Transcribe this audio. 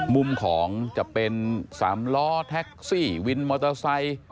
มุมของจะเป็นสามล้อแท็กซี่วินมอเตอร์ไซค์